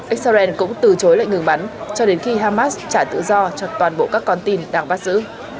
israel cũng từ chối lệnh ngừng bắn cho đến khi hamas trả tự do cho toàn bộ các con tin đang bắt giữ